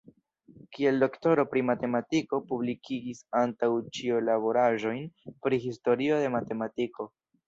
Kiel doktoro pri matematiko publikigis antaŭ ĉio laboraĵojn pri historio de matematiko.